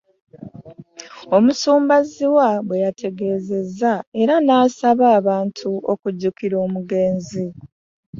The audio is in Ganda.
Omusumba Zziwa bweyategezezza era n'asaba abantu okujjukira omugenzi